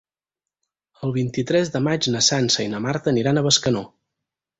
El vint-i-tres de maig na Sança i na Marta aniran a Bescanó.